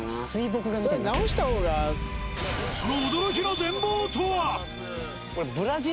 その驚きの全貌とは。